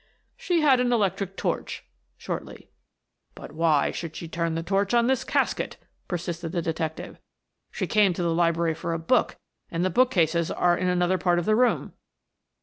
"She had an electric torch," shortly. "But why should she turn the torch on this casket?" persisted the detective. "She came to the library for a book, and the bookcases are in another part of the room."